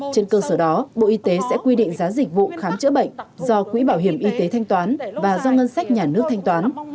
trên cơ sở đó bộ y tế sẽ quy định giá dịch vụ khám chữa bệnh do quỹ bảo hiểm y tế thanh toán và do ngân sách nhà nước thanh toán